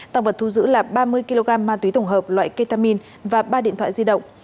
tăng vật thu giữ là ba mươi kg ma túy tổng hợp loại ketamin và ba điện thoại di động